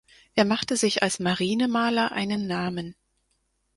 Er machte sich als Marinemaler einen Namen.